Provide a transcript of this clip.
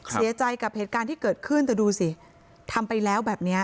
เสียใจกับเหตุการณ์ที่เกิดขึ้นแต่ดูสิทำไปแล้วแบบนี้